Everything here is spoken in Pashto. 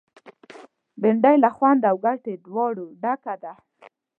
بېنډۍ له خوند او ګټې دواړو ډکه ده